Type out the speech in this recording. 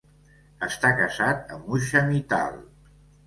Està casat amb Usha Mittal.